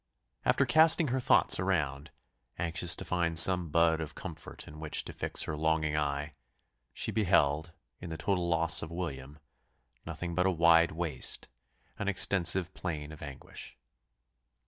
After casting her thoughts around, anxious to find some bud of comfort on which to fix her longing eye; she beheld, in the total loss of William, nothing but a wide waste, an extensive plain of anguish.